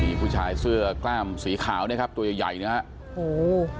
มีผู้ชายเสื้อกล้ามสีขาวนะครับตัวใหญ่นะฮะ